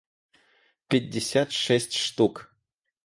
пятьдесят шесть штук